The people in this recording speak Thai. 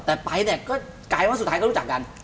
แต่ไปเนี่ยก็กลายว่าสุดท้ายก็รู้จักกัน